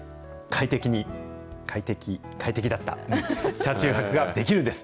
快適だった、車中泊ができるんです。